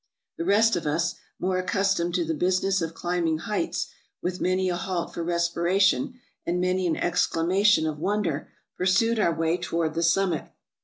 The rest of us, more accustomed to the business of climbing heights, with many a halt for respiration, and many an exclamation of wonder, pursued our way toward the summit.